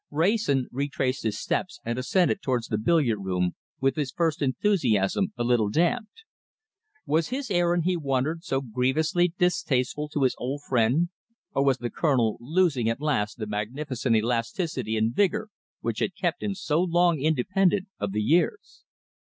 Wrayson retraced his steps and ascended towards the billiard room, with his first enthusiasm a little damped. Was his errand, he wondered, so grievously distasteful to his old friend, or was the Colonel losing at last the magnificent elasticity and vigour which had kept him so long independent of the years?